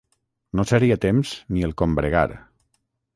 No ser-hi a temps ni el combregar.